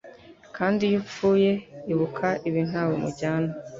Kandi iyo upfuye, ibuka ibi ntawe mujyana